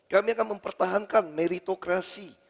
kami akan mempertahankan meritokrasi